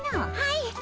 はい。